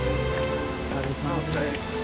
お疲れさまです。